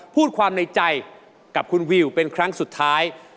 พูดความในใจกับคุณวิวเป็นครั้งสุดท้าย